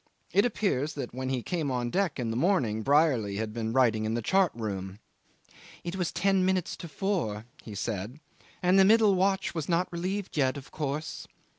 It appears that when he came on deck in the morning Brierly had been writing in the chart room. "It was ten minutes to four," he said, "and the middle watch was not relieved yet of course.